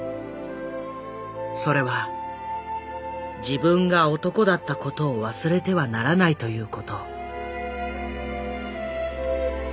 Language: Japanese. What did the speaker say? それは自分が男だった事を忘れてはならないという事。